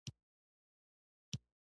د افغانستان په منظره کې غرونه ښکاره ده.